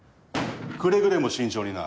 くれぐれも慎重にな。